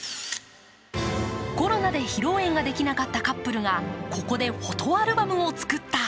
コロナで披露宴ができなかったカップルがここでフォトアルバムを作った。